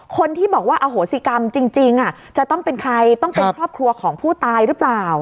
คนที่บอกว่าอโหสิกรรมจริงจะต้องเป็นใครต้องเป็นครอบครัวของผู้ตายหรือเปล่า